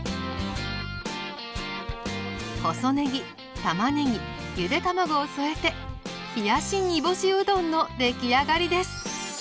細ねぎたまねぎゆで卵を添えて冷やし煮干しうどんの出来上がりです。